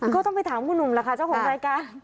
ก็ต้องไปถามคุณหนุ่มล่ะค่ะเจ้าของรายการ